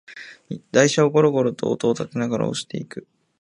台車をゴロゴロと音をたてながら押していく